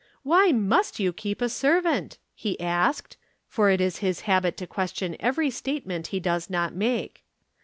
'Why must you keep a servant?' he asked, for it is his habit to question every statement he does not make.